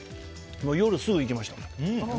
夜、すぐ行きました。